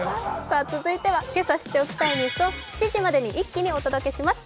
今朝知っておきたいニュースを７時までに一気にお届けします。